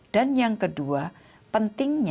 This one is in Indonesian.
dan yang kedua pentingnya